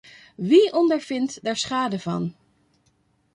Wie ondervindt daar schade van?